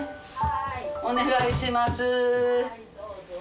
お願いします。